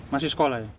masih sekolah ya